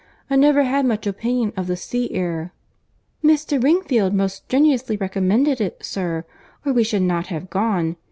I never had much opinion of the sea air." "Mr. Wingfield most strenuously recommended it, sir—or we should not have gone.